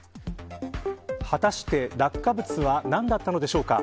果たして落下物は何だったのでしょうか。